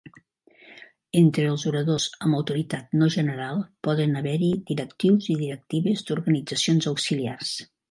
Entre els oradors amb autoritat no general poden haver-hi directius i directives d'organitzacions auxiliars.